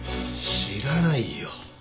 知らないよ。